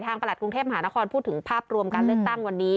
ประหลัดกรุงเทพมหานครพูดถึงภาพรวมการเลือกตั้งวันนี้